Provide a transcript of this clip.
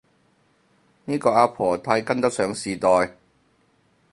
呢個阿婆太跟得上時代